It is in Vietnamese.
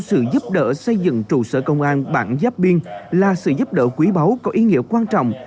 sự giúp đỡ xây dựng trụ sở công an bản giáp biên là sự giúp đỡ quý báu có ý nghĩa quan trọng